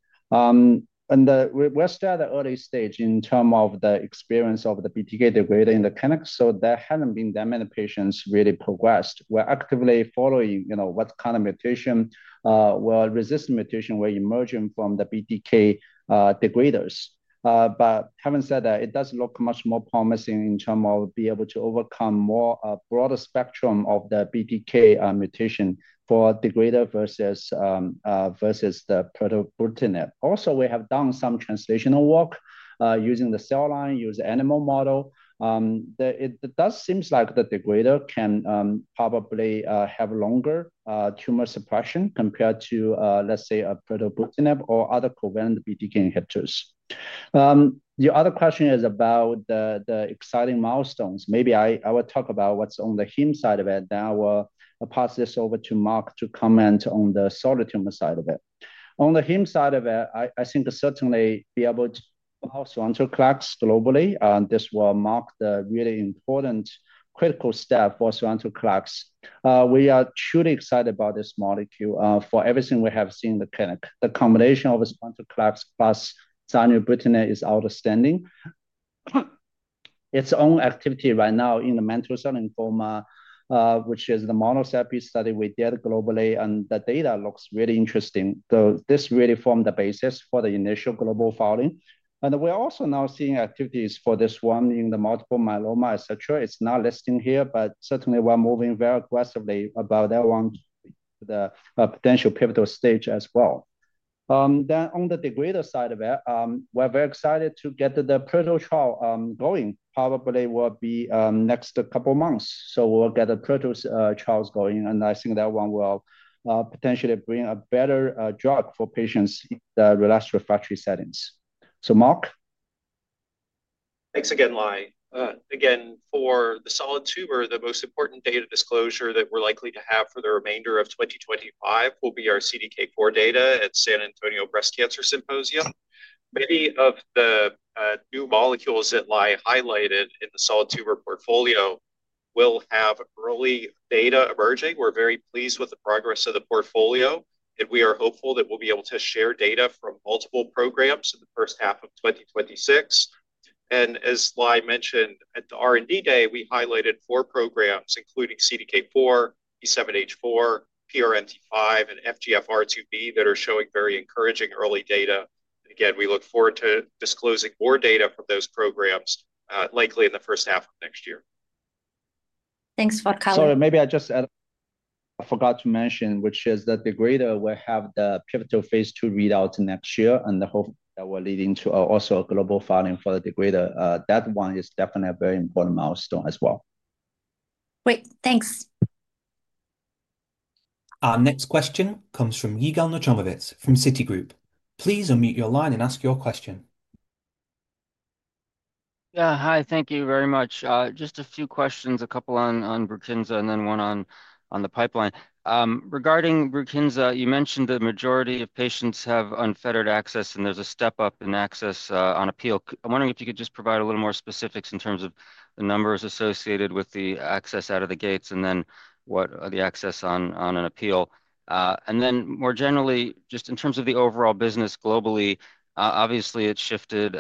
and we're still at the early stage in terms of the experience of the BTK degrader in the clinic. There haven't been that many patients really progressed. We're actively following what kind of mutation, well resistant mutation were emerging from the BTK degraders. Having said that, it does look much more promising in terms of being able to overcome a broader spectrum of the BTK mutation for degrader versus the pirtobrutinib. Also, we have done some translational work using the cell line, use animal model. It does seem like the degrader can probably have longer tumor suppression compared to let's say a covalent BTK inhibitor or other covalent BTK inhibitors. The other question is about the exciting milestones. Maybe I will talk about what's on the heme side of it. I'll pass this over to Mark to comment on the solid tumor side of it. On the heme side of it, I think certainly being able to reach globally, this will mark the really important critical step for our clinical. We are truly excited about this molecule. For everything we have seen in the clinic, the combination of spontaneous clocks plus sonrotoclax is outstanding. Its own activity right now in the mantle cell lymphoma, which is the monotherapy study we did globally, and the data looks really interesting. This really formed the basis for the initial global filing. We're also now seeing activities for this one in the multiple myeloma, et cetera. It's not listing here, but certainly we're moving very aggressively about that one, the potential pivotal stage as well. On the degrader side of it, we're very excited to get the protease trial going. Probably will be next couple months. We'll get the protease trials going and I think that one will potentially bring a better drug for patients in the relapsed/refractory settings. Mark. Thanks again, Lai. Again for the solid tumor, the most important data disclosure that we're likely to have for the remainder of 2025 will be our CDK4 data at San Antonio Breast Cancer Symposia. Many of the new molecules that Lai highlighted in the solid tumor portfolio will have early data emerging. We're very pleased with the progress of the portfolio, and we are hopeful that we'll be able to share data from multiple programs in the first half of 2026. As Lai mentioned at the R&D day, we highlighted four programs including CDK4, B7-H4 ADC, PRMT5 inhibitor, and FGFR2B that are showing very encouraging early data. We look forward to disclosing more data from those programs, likely in the first half of next year. Thanks for coming. Sorry, maybe I just add I forgot to mention, which is that degrader will have the pivotal phase II readout next year and the hope that we're leading to also a global filing for the degrader. That one is definitely a very important milestone as well. Thanks. Our next question comes from Yigal Nochomovitz from Citigroup. Please unmute your line and ask your question. Yeah, hi, thank you very much. Just a few questions, a couple on BRUKINSA and then one on the pipeline. Regarding BRUKINSA, you mentioned the majority of patients have unfettered access and there's a step up in access on appeal I'm wondering if you could just provide a little more specifics in terms of the numbers associated with the access out of the gates and then what the access on an appeal and then more generally just in terms of the overall business globally, obviously it shifted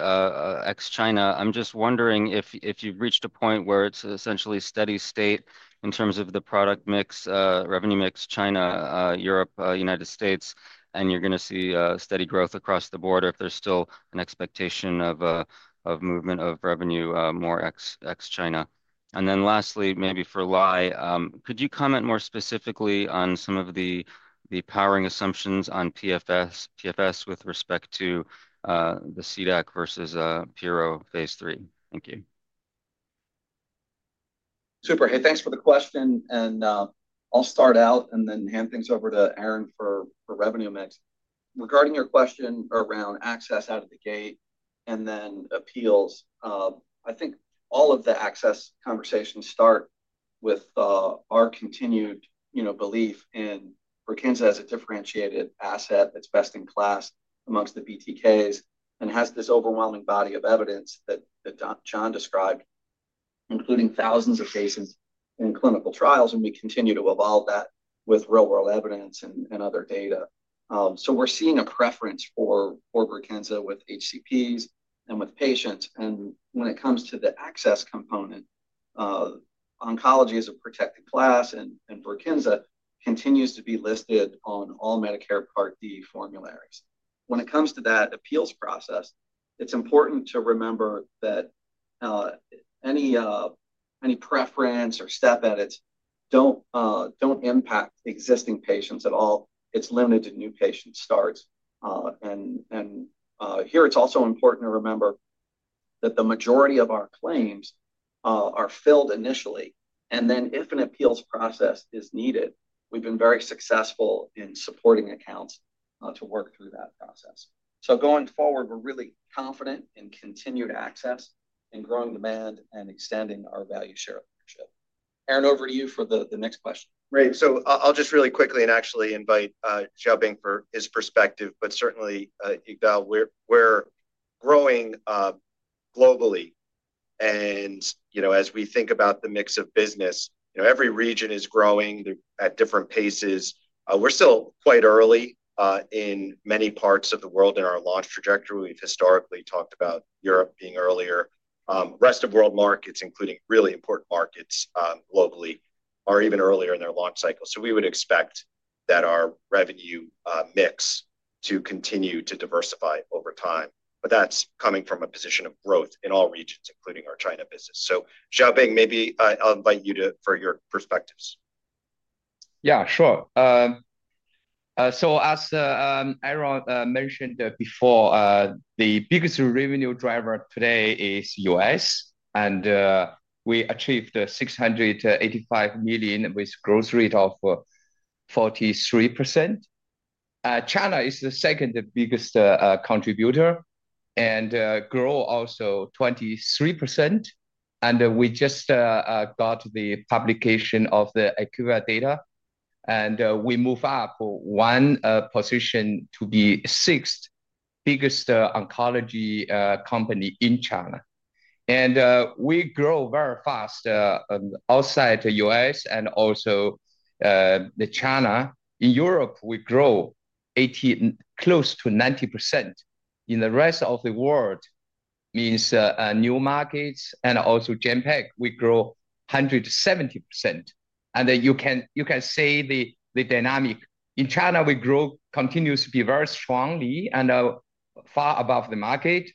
ex China. I'm just wondering if you've reached a point where it's essentially steady state in terms of the product mix, revenue mix, China, Europe, U.S. and you're going to see steady growth across the board if there's still an expectation of movement of revenue more ex China.. And then lastly maybe for Lai, could you comment more specifically on some of the powering assumptions on PFS with respect to the CDAC versus Piro phase III? Thank you. Super. Hey, thanks for the question. I'll start out and then hand things over to Aaron for revenue mix. Regarding your question around access out of the gate and then appeals, I think all of the access conversations start with our continued belief in Rakinsa as a differentiated asset that's best in class amongst the BTKs and has this overwhelming body of evidence that John described, including thousands of cases in clinical trials. We continue to evolve that with real world evidence and other data. We're seeing a preference for Rakinsa with HCPs and with patients. When it comes to the access component, oncology is a protected class and Rakinsa continues to be listed on all Medicare Part D formularies. When it comes to that appeals process, it's important to remember that any preference or step edits don't impact existing patients at all. It's limited to new patient stats. It is also important to remember that the majority of our claims are filled initially, and if an appeals process is needed, we've been very successful in supporting accounts to work through that process. Going forward, we're really confident in continued access, in growing demand, and extending our value share. Aaron, over to you for the next question. Right, I'll just really quickly invite Xiaobin for his perspective. Certainly, we're growing globally and, as we think about the mix of business, every region is growing at different paces. We're still quite early in many parts of the world in our launch trajectory. We've historically talked about Europe being earlier. Rest of world markets, including really important markets globally, are even earlier in their launch cycle. We would expect our revenue mix to continue to diversify over time. That's coming from a position of growth in all regions, including our China business. Xiaobin, maybe I'll invite you for your perspective. Yeah, sure. As Aaron mentioned before, the biggest revenue driver today is U.S. and we achieved $685 million with growth rate of 43%. China is the second biggest contributor and grew also 23%. We just got the publication of the ACUA data and we move up one position to be sixth biggest oncology company in China. We grow very fast outside the U.S. and also China. In Europe we grow close to 90%. In the rest of the world, meaning new markets and also Japan, we grow 170%. You can see the dynamic in China, we grow, continues to be very strongly and far above the market.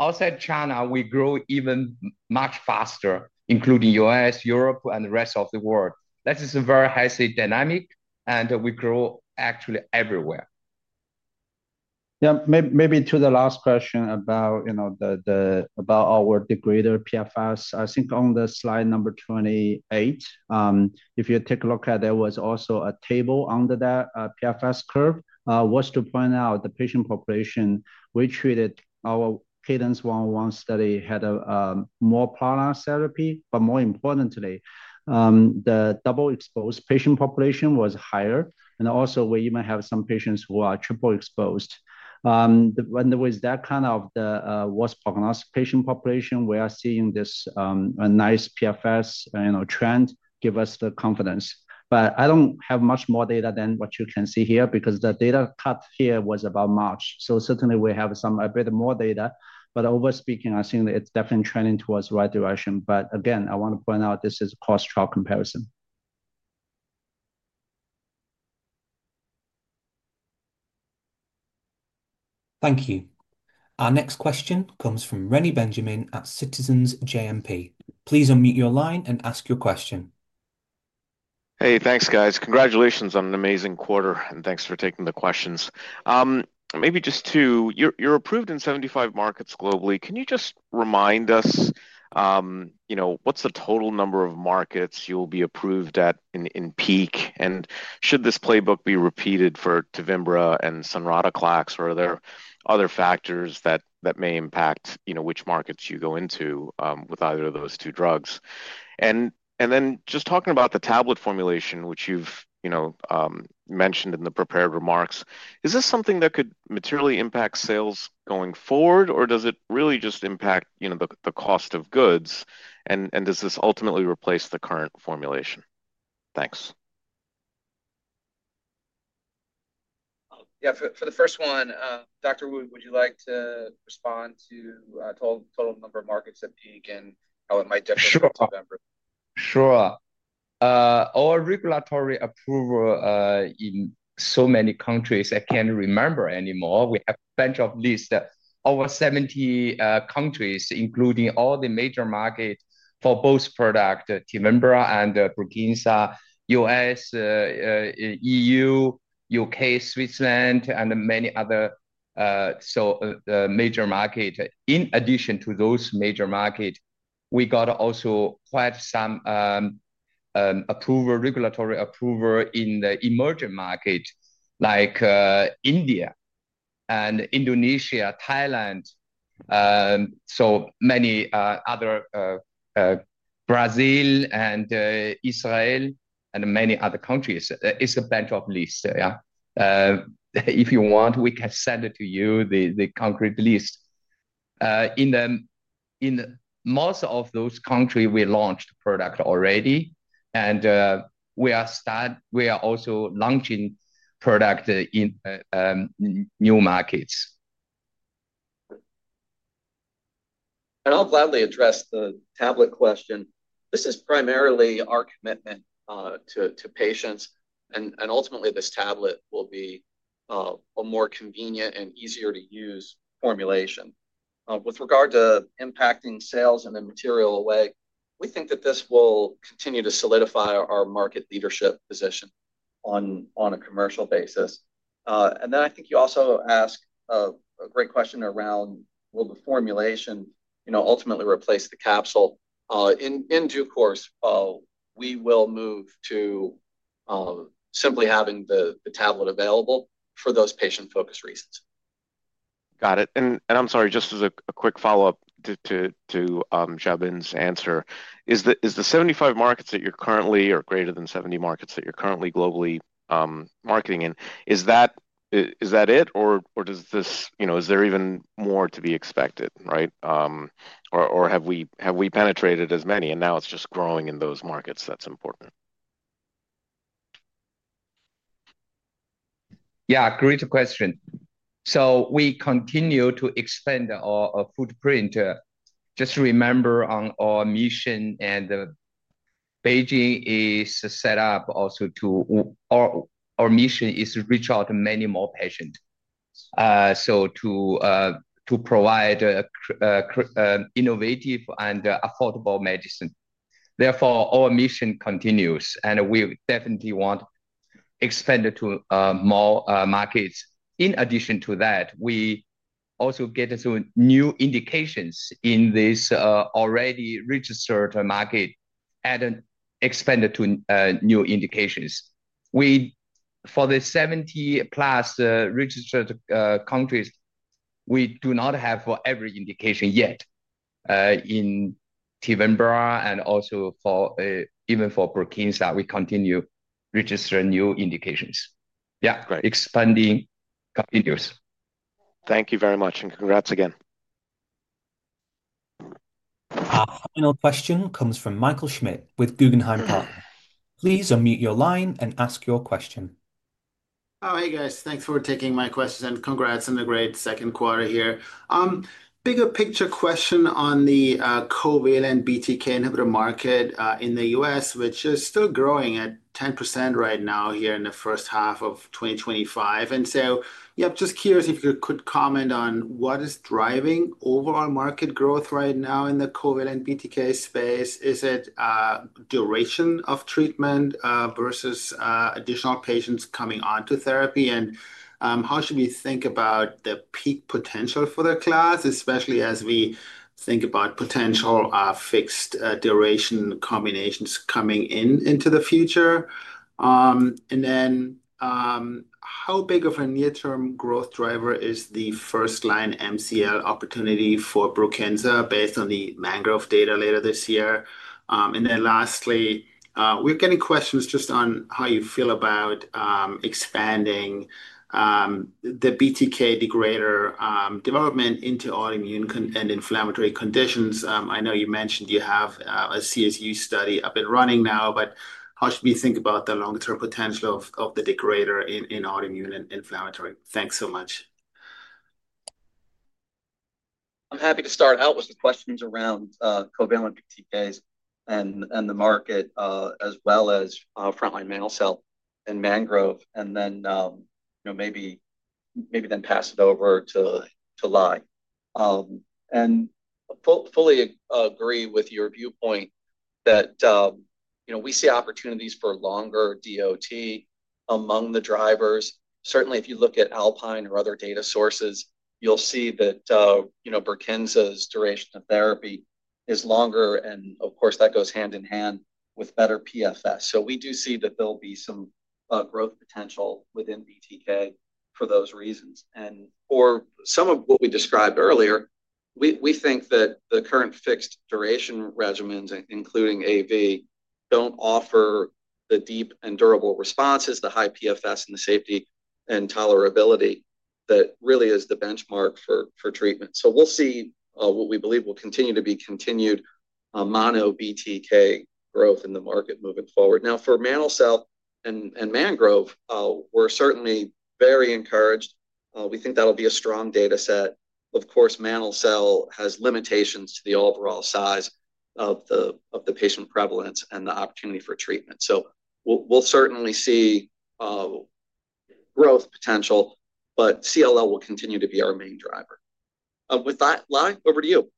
Outside China we grow even much faster including U.S., Europe, and the rest of the world. That is a very healthy dynamic and we grow actually everywhere. Maybe to the last question about our degrader PFS. I think on the slide number 28, if you take a look, there was also a table under that PFS curve to point out the patient population we treated. Our cadence 101 study had a more prolonged therapy. More importantly, the double exposed patient population was higher. We even have some patients who are triple exposed when there was that kind of the worst prognostic patient population. We are seeing this nice PFS trend give us the confidence. I don't have much more data than what you can see here because the data cut here was about March. Certainly, we have a bit more data but overall I think it's definitely trending towards the right direction. Again, I want to point out this is cross trial comparison. Thank you. Our next question comes from Reni Benjamin at Citizens JMP. Please unmute your line and ask your question. Hey, thanks guys. Congratulations on an amazing quarter and thanks for taking the questions. Maybe just two. You're approved in 75 markets globally. Can you just remind us, you know, what's the total number of markets you'll be approved at in peak? Should this playbook be repeated for TEVIMBRA and sonrotoclax, or are there other factors that may impact which markets you go into with either of those two drugs? Just talking about the tablet formulation, which you've mentioned in the prepared remarks, is this something that could materially impact sales going forward, or does it really just impact the cost of goods, and does this ultimately replace the current formulation? Thanks. For the first one, Dr. Wu, would you like to respond to total number of markets at peak and how it might differ? Sure. Our regulatory approval in so many countries I can't remember anymore. We have a bunch of lists, over 70 countries including all the major markets for both product TEVIMBRA and BRUKINSA, U.S., EU, U.K., Switzerland, and many other major markets. In addition to those major markets, we got also quite some regulatory approval in the emerging markets like India and Indonesia, Thailand, so many others, Brazil and Israel and many other countries. It's a bunch of lists. If you want, we can send it to you, the concrete list. In most of those countries, we launched product already and we are also launching product in new markets. I'll gladly address the tablet question. This is primarily our commitment to patients and ultimately this tablet will be a more convenient and easier to use formulation. With regard to impacting sales in a material way, we think that this will continue to solidify our market leadership position on a commercial basis. I think you also ask a great question around will the formulation ultimately replace the capsule. In due course, we will move to simply having the tablet available for those patient-focused reasons. Got it. I'm sorry, just as a quick follow-up to Xiaobin's answer, is the 75 markets that you're currently or greater than 70 markets that you're currently globally marketing in, is that it? Does this, you know, is there even more to be expected, right? Or have we penetrated as many and now it's just growing in those markets? That's important. Yeah, great question. We continue to expand our footprint. Just remember our mission, and BeiGene is set up also to our mission, which is to reach out to many more patients to provide innovative and affordable medicine. Therefore, our mission continues, and we definitely want to expand to more markets. In addition to that, we also get some new indications in this already registered market and expand to new indications. For the 70+ registered countries, we do not have every indication yet in TEVIMBRA, and also even for BRUKINSA, we continue registering new indications. Expanding continues. Thank you very much and congrats again. Our final question comes from Michael Schmidt with Guggenheim Partners. Please unmute your line and ask your question. Hey guys, thanks for taking my questions and congrats on the great second quarter. Here, bigger picture question on the covalent BTK inhibitor market in the U.S. Which is still growing at 10% right now here in the first half of 2025. Just curious if you could comment on what is driving overall market growth right now in the COVID and BTK space. Is it duration of treatment versus additional patients coming onto therapy, and how should we think about the peak potential for the class, especially as we think about potential fixed-duration combinations coming into the future and then how big of a near term growth driver is the first line MCL opportunity for BRUKINSA based on the Mangrove data later this year. Lastly, we're getting questions just on how you feel about expanding the BTK degrader development into autoimmune indications and inflammatory conditions. I know you mentioned you have a CSU study up and running now, but how should we think about the long term potential of the degrader in autoimmune inflammatory? Thanks so much. I'm happy to start out with questions around covalent case and the market as well as frontline mantle cell in Mangrove, and then maybe pass it over to Lai. I fully agree with your viewpoint that we see opportunities for longer dot among the drivers. Certainly, if you look at Alpine or other data sources you'll see that BRUKINSA's duration of therapy is longer, and of course that goes hand in hand with better PFS. We do see that there'll be some growth potential within BTK. For those reasons and for some of what we described earlier, we think that the current fixed-duration regimens, including AV, don't offer the deep and durable responses, the high PFS, and the safety and tolerability that really is the benchmark for treatment. We'll see what we believe will continue to be continued mono BTK growth in the market moving forward. Now for mantle cell and MANGROVE, we're certainly very encouraged. We think that'll be a strong data set. Of course, mantle cell has limitations to the overall size of the patient prevalence and the opportunity for treatment. We'll certainly see growth potential, but CLL will continue to be our main driver with that. Lai, over to you.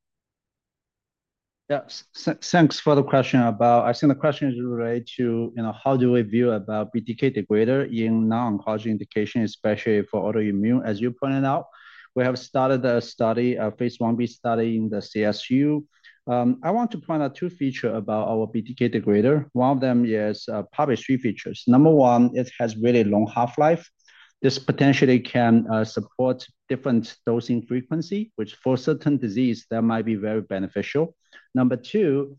Yes, thanks for the question. I think the question is related to, you know, how do we view BTK degrader in non-cancer indications, especially for autoimmune? As you point out, we have started a study, a phase Ib study in the CSU. I want to point out two features about our BTK degrader. One of them is probably three features. Number one, it has really long half-life. This potentially can support different dosing frequency, which for certain disease that might be very beneficial. Number two,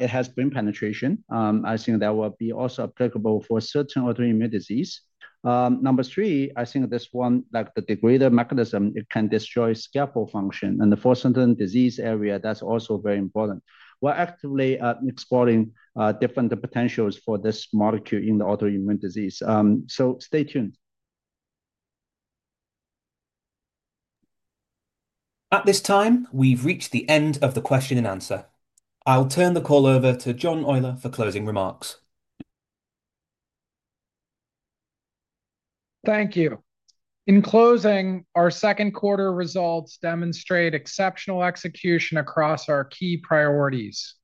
it has brain penetration. I think that will be also applicable for certain autoimmune disease. Number three, I think this one, like the degrader mechanism, can destroy scaffold function and the force in disease area. That's also very important. We're actively exploring different potentials for this molecule in the autoimmune disease. Stay tuned. At this time, we've reached the end of the question-and-answer. I'll turn the call over to John Oyler for closing remarks. Thank you. In closing, our second quarter results demonstrate exceptional execution across our key priorities.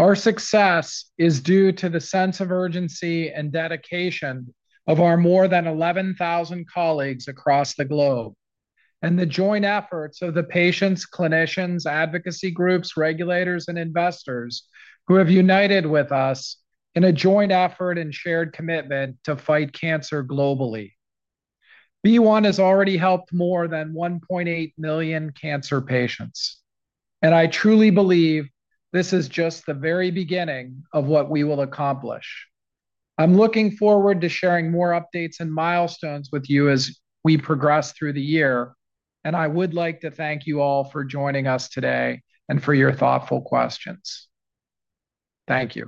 Our success is due to the sense of urgency and dedication of our more than 11,000 colleagues across the globe and the joint efforts of the patients, clinicians, advocacy groups, regulators, and investors who have united with us in a joint effort and shared commitment to fight cancer. Globally, BeOne Medicines has already helped more than 1.8 million cancer patients, and I truly believe this is just the very beginning of what we will accomplish. I'm looking forward to sharing more updates and milestones with you as we progress through the year, and I would like to thank you all for joining us today and for your thoughtful questions. Thank you.